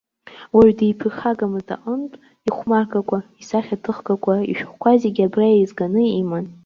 Уаҩ диԥырхагамызт аҟынтә, ихәмаргақәа, исахьаҭыхгақәа, ишәҟәқәа зегьы абра еизганы иман.